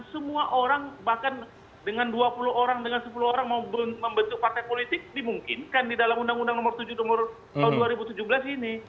semua orang bahkan dengan dua puluh orang dengan sepuluh orang mau membentuk partai politik dimungkinkan di dalam undang undang nomor tujuh tahun dua ribu tujuh belas ini